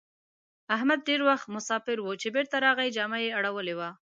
احمد ډېر وخت مساپر وو؛ چې بېرته راغی جامه يې اړولې وه.